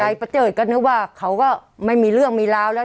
ประเจิดก็นึกว่าเขาก็ไม่มีเรื่องมีราวแล้ว